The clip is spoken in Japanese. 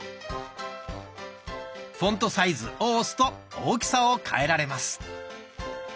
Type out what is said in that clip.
「フォントサイズ」を押すと大きさを変えられます。